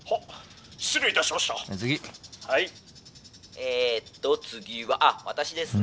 えっと次はあっ私ですね。